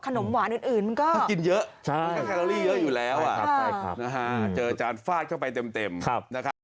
ขนมหวานอื่นมันก็กินเยอะใช่มันก็แคลอรี่เยอะอยู่แล้วอ่ะใช่ครับนะฮะเจอจานฟาดเข้าไปเต็มครับนะครับ